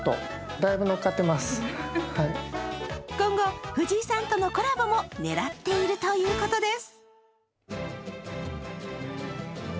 今後藤井さんとのコラボも狙っていると言うことです。